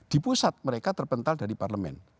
di pusat mereka terpental dari parlemen